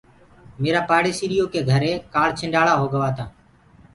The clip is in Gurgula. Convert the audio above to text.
ميرآ پاڙيسريو ڪي گھري ڪآنڇنڊݪآ هوگوآ تآ۔